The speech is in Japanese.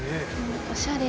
おしゃれ。